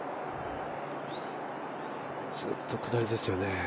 ずっと下りですよね。